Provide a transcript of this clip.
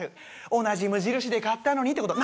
同じ無印で買ったのに！ってこと。